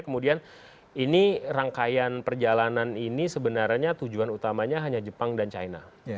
kemudian ini rangkaian perjalanan ini sebenarnya tujuan utamanya hanya jepang dan china